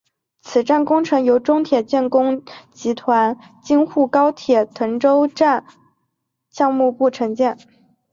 此站工程由中铁建工集团京沪高铁滕州东站项目部承建。